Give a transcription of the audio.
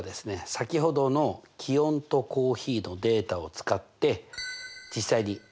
先ほどの気温とコーヒーのデータを使って実際に共分散を求めてみましょう。